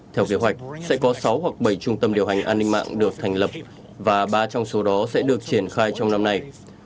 theo kế hoạch sẽ có sáu hoặc bảy trung tâm điều hành an ninh mạng được thành lập và ba trong số đó sẽ được triển khai trong năm nay